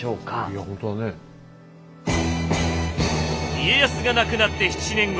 家康が亡くなって７年後。